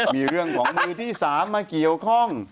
มีเรื่องของมือที่๓มาเกี่ยวข้อง